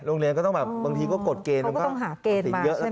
โรงเรียนก็ต้องแบบบางทีก็กดเกณฑ์